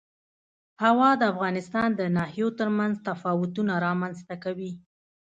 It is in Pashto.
هوا د افغانستان د ناحیو ترمنځ تفاوتونه رامنځ ته کوي.